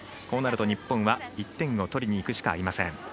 こうなると日本は１点を取りにいくしかありません。